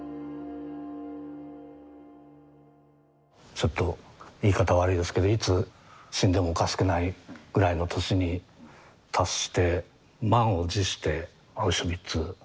ちょっと言い方悪いですけどいつ死んでもおかしくないぐらいの年に達して満を持してアウシュビッツやるかっていう。